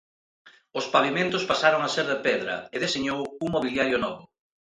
Os pavimentos pasaron a ser de pedra e deseñou un mobiliario novo.